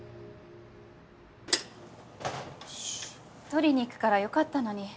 取りに行くからよかったのに。